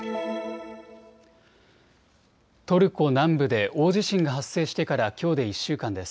トルコ南部で大地震が発生してからきょうで１週間です。